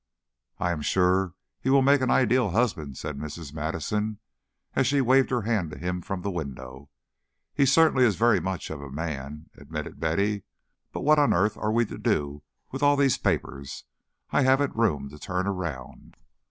"I am sure he will make an ideal husband," said Mrs. Madison, as she waved her hand to him from the window. "He certainly is very much of a man," admitted Betty, "but what on earth are we to do with all these papers? I haven't room to turn round."